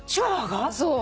そう。